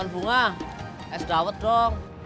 bunga es dawet dong